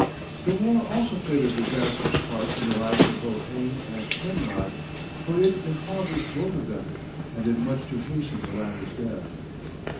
The war also played a disastrous part in the lives of both Hayne and Timrod, for it impoverished both of them, and did much to hasten the latter's death.